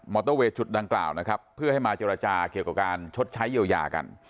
อเตอร์เวย์จุดดังกล่าวนะครับเพื่อให้มาเจรจาเกี่ยวกับการชดใช้เยียวยากัน